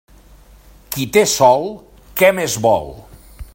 Qui té sol, què més vol?